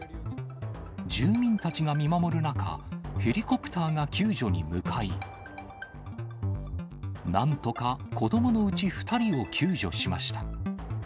住民たちが見守る中、ヘリコプターが救助に向かい、なんとか子どものうち２人を救助しました。